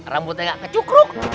rambutnya nggak kecukruk